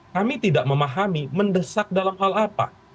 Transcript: kami tidak memahami mendesak dalam hal apa